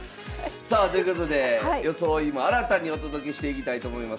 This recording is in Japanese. さあということで装いも新たにお届けしていきたいと思います。